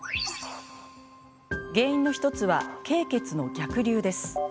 原因の１つは、経血の逆流です。